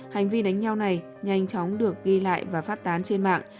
hành vi đánh nhau này nhanh chóng được ghi lại và phát tán trên mạng